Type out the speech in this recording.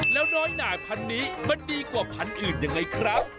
แล้วน้อยหน่ายพันธุ์นี้มันดีกว่าพันธุ์อื่นยังไงครับ